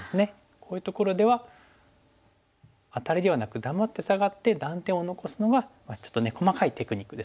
こういうところではアタリではなく黙ってサガって断点を残すのがまあちょっとね細かいテクニックですけどね